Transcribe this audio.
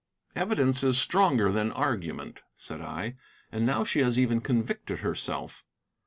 "Evidence is stronger than argument," said I. "And now she has even convicted herself."